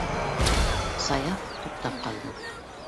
- Саяф туҡтап ҡалды.